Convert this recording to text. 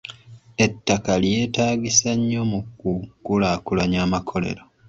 Ettaka lyeetaagisa nnyo mu ku kulaakulanya amakolero.